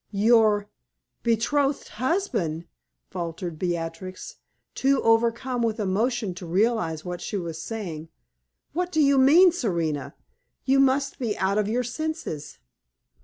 "Your betrothed husband?" faltered Beatrix, too overcome with emotion to realize what she was saying. "What do you mean, Serena? You must be out of your senses!"